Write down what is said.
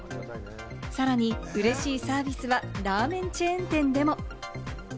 さらに嬉しいサービスは、ラーメンチェーン店でも。